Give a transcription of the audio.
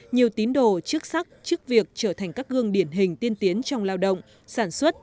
nhiều tín đồ chức sắc chức việc trở thành các gương điển hình tiên tiến trong lao động sản xuất